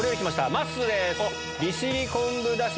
まっすーです。